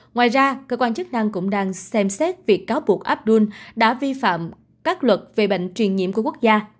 ngoài ra cơ quan chức năng cũng đang xem xét việc cáo buộc abdul đã vi phạm các luật về bệnh truyền nhiễm của quốc gia